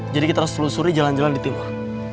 jadi kita harus telusuri jalan jalan di timur